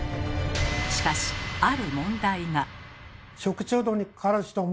しかしある問題が。